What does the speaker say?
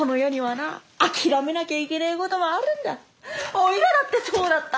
おいらだってそうだった。